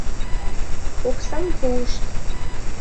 Оксам пуышт.